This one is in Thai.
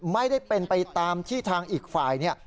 ไม่ได้เป็นไปตามที่ทางอีกฝ่ายเนี่ย